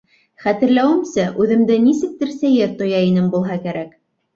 Хәтерләүемсә, үҙемде нисектер сәйер тоя инем булһа кәрәк!